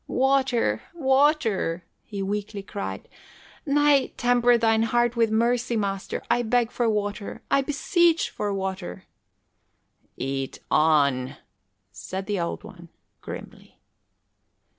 "Water, water!" he weakly cried. "Nay, temper thine heart with mercy, master! I beg for water I beseech for water." "Eat on," said the Old One grimly.